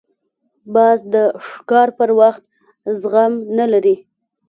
باز د ښکار پر وخت زغم نه لري